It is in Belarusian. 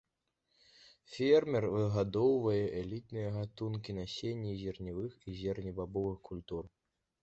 Фермер выгадоўвае элітныя гатункі насення зерневых і зернебабовых культур.